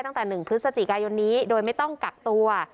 ตั้งแต่๑พฤศจิกายนนี้โดยไม่ต้องกักตัว